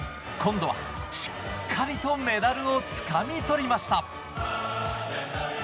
今度はしっかりとメダルをつかみ取りました。